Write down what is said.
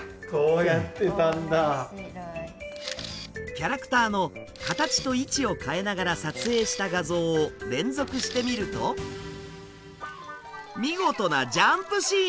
キャラクターの形と位置を変えながら撮影した画像を連続してみると見事なジャンプシーンに！